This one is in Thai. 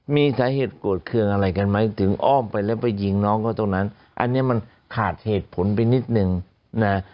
มีสาเหตุโกรธเครื่องอะไรกันไหมถึงอ้อมไปแล้วไปยิงน้องเขาตรงนั้นอันนี้มันขาดเหตุผลไปนิดนึงนะ